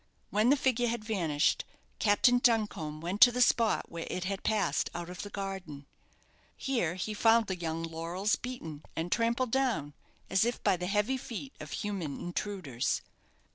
When the figure had vanished, Captain Duncombe went to the spot where it had passed out of the garden. Here he found the young laurels beaten and trampled down, as if by the heavy feet of human intruders.